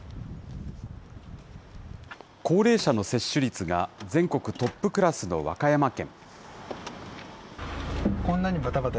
高齢者の接種率が全国トップクラスの和歌山県。